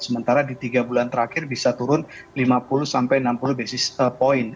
sementara di tiga bulan terakhir bisa turun lima puluh sampai enam puluh basis point